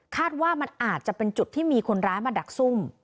ว่ามันอาจจะเป็นจุดที่มีคนร้ายมาดักซุ่ม